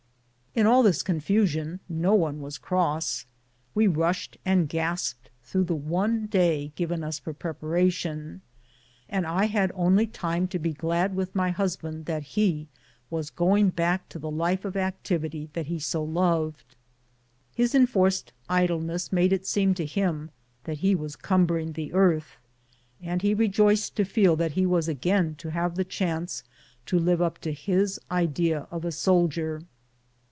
In all this confusion no one was cross. We rushed and gasped through the one day given us for prepara tion, and I had only time to be glad with my husband that he was going back to the life of activity that he so loved. His enforced idleness made it seem to him that he was cumbering the earth, and he rejoiced to feel that he was again to have the chance to live up to his idea of a soldier.